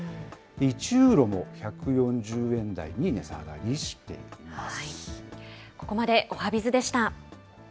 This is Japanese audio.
１ユーロも１４０円台に値下がりしています。